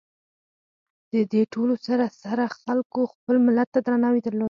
د دې ټولو سره سره خلکو خپل ملت ته درناوي درلود.